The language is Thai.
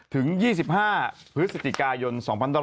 ถึง๒๕พฤศจิกายน๒๕๖๒